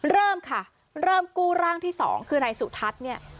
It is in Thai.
เริ่มค่ะเริ่มกู้ร่างที่สองคือนายสุทัศน์เนี่ย